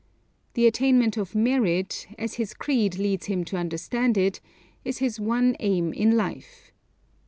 The attainment of merit, as his creed leads him to understand it, is his one aim in life.